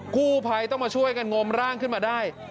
กู้ภัยต้องมาช่วยกันงมร่างขึ้นมาได้